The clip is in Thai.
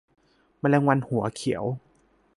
แมลงวันหัวเขียว